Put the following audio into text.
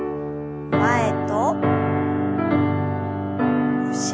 前と後ろへ。